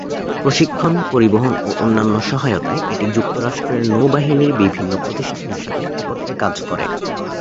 প্রশিক্ষণ, পরিবহন ও অন্যান্য সহায়তায় এটি যুক্তরাষ্ট্রের নৌবাহিনীর বিভিন্ন প্রতিষ্ঠানের সাথে একত্রে কাজ করে।